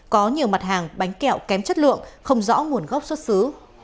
có nhiều mặt hàng bánh kẹo kém chất lượng không rõ nguồn gốc xuất xứ